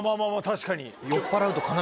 確かに。